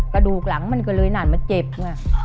กระดูกหลังมันก็เลยหนัดมาเจ็บเนี่ย